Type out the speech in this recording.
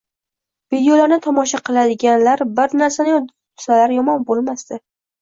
videolarni tomosha qiladiganlar bir narsani yodda tutsalar, yomon bo‘lmasdi: